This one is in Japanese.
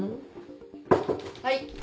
・はい。